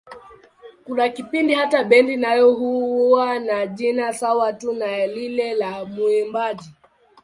Kuna kipindi hata bendi nayo huwa na jina sawa tu na lile la mwimbaji.